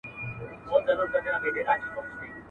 اوس نه منتر کوي اثر نه په مُلا سمېږي.